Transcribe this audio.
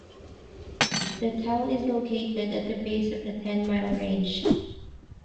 The town is located at the base of the Tenmile Range.